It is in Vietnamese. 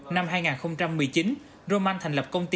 năm hai nghìn một mươi chín roman thành lập công ty